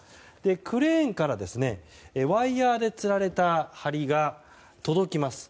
クレーンからワイヤでつられた梁が届きます。